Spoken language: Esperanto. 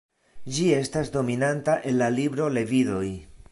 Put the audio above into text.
Ĝi estas dominanta en la libro Levidoj.